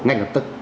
ngay lập tức